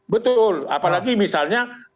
betul apalagi misalnya